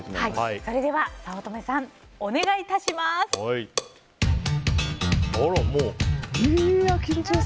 それでは早乙女さんお願いいたします。